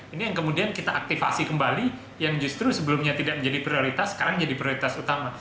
ini yang kemudian kita aktifasi kembali yang justru sebelumnya tidak menjadi prioritas sekarang jadi prioritas utama